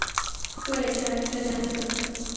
তো, ওটা একটা, জানোই তো।